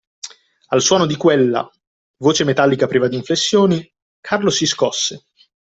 Al suono di quella, voce metallica priva di inflessioni, Carlo si scosse.